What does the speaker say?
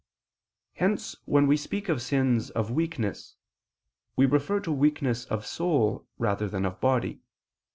Hence when we speak of sins of weakness, we refer to weakness of soul rather than of body.